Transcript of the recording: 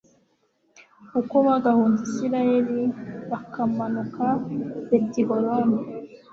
uko bagahunze israheli bakamanuka betihoroni